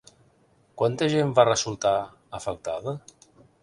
Quanta gent va resultar afectada?